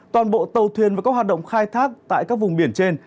toàn bộ tàu thuyền và các hoạt động khai thác tại các vùng biển trên